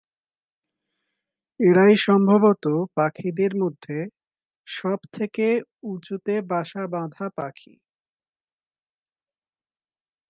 এরাই সম্ভবত পাখিদের মধ্যে সব থেকে উচুতে বাসা বাঁধা পাখি।